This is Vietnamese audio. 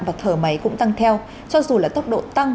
và thở máy cũng tăng theo cho dù là tốc độ tăng